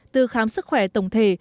từ khám sức khỏe tổng thể